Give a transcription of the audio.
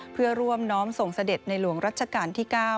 เพื่อร่วมน้อมส่งเสด็จในหลวงรัชกาลที่๙